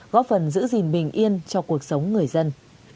góp phần giữ gìn bình yên cho cuộc sống người dân